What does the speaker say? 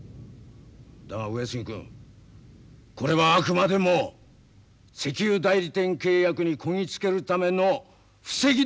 だが上杉君これはあくまでも石油代理店契約にこぎ着けるための布石だということを忘れんでくれ。